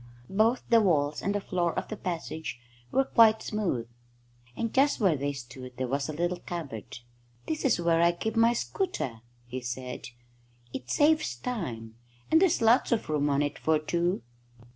Both the walls and the floor of the passage were quite smooth, and just where they stood there was a little cupboard. "This is where I keep my scooter," he said. "It saves time, and there's lots of room on it for two."